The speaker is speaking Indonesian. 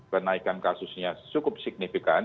penaikan kasusnya cukup signifikan